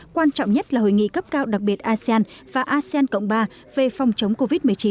quan trọng nhất là hội nghị cấp cao đặc biệt asean và asean cộng ba về phòng chống covid một mươi chín